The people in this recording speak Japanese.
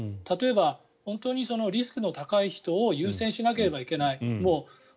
例えば、本当にリスクの高い人を優先しなければいけない。